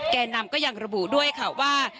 แก่นำก็ยังระบุด้วยค่ะว่า